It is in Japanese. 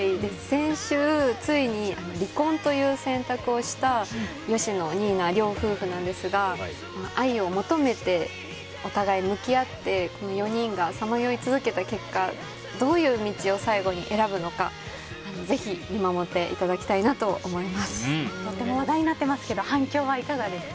先週、ついに離婚という選択をした吉野、新名の両夫婦なんですが愛を求めて、お互い向き合って４人がさまよい続けた結果どういう道を最後に選ぶのかぜひ、見守っていただきたいととても話題になってますけど反響はいかがですか？